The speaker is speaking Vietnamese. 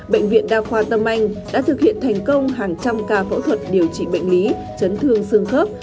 bệnh viện đa khoa tâm anh đã thực hiện thành công hàng trăm ca phẫu thuật điều trị bệnh lý chấn thương xương khớp